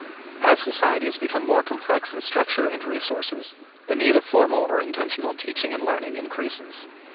As societies become more complex in structure and resources, the need of formal or intentional teaching and learning increases.